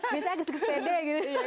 biasanya harus pede gitu